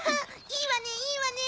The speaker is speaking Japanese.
いいわねいいわね！